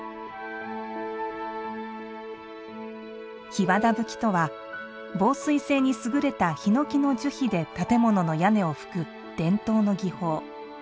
檜皮葺とは、防水性に優れた檜の樹皮で建物の屋根を葺く伝統の技法。